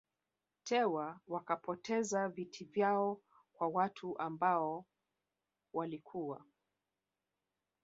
Tewa wakapoteza viti vyao kwa watu ambao walikuwa